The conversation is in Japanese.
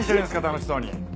楽しそうに。